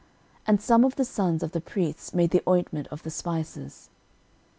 13:009:030 And some of the sons of the priests made the ointment of the spices.